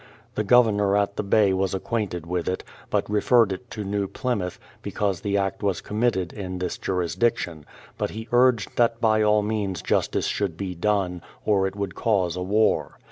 The Governor at the Bay was acquainted with it, but referred it to New Plymouth, be cause the act was committed in this jurisdiction; but he urged that by all means justice should be done, or it would cause a war.